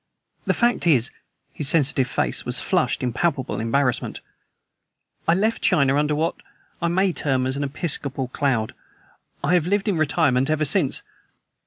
The fact is" his sensitive face flushed in palpable embarrassment "I left China under what I may term an episcopal cloud. I have lived in retirement ever since.